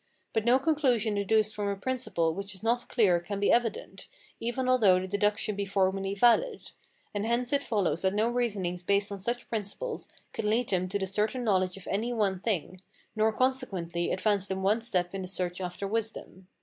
But no conclusion deduced from a principle which is not clear can be evident, even although the deduction be formally valid; and hence it follows that no reasonings based on such principles could lead them to the certain knowledge of any one thing, nor consequently advance them one step in the search after wisdom.